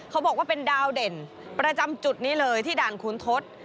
เขาบอกว่าเป็นดาวเด่นประจำจุดนี้เลยที่ด่านขุนทศ